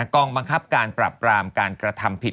กองบังคับการปรับปรามการกระทำผิด